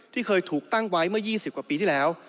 ที่เคยถูกตั้งไว้เมื่อ๒๐กว่าปีที่แล้ว